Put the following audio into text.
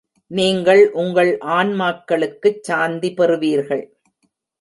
நீங்கள் உங்கள் ஆன்மாக்களுக்குச் சாந்தி பெறுவீர்கள்.